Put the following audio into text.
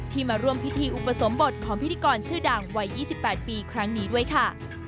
มาร่วมพิธีอุปสมบทของพิธีกรชื่อดังวัย๒๘ปีครั้งนี้ด้วยค่ะ